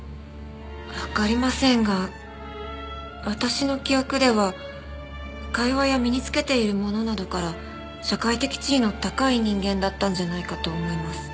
わかりませんが私の記憶では会話や身に着けているものなどから社会的地位の高い人間だったんじゃないかと思います。